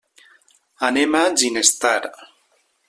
Anem a Ginestar.